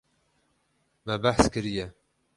Me behs kiriye.